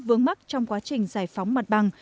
vướng mắt trong quá trình giải phóng mặt bằng